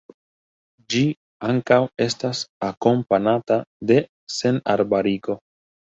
Ĝi ankaŭ estas akompanata de senarbarigo.